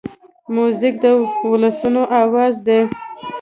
موزیک د ولسونو آواز دی.